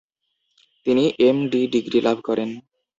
তিনি M. D. Degree লাভ করেন।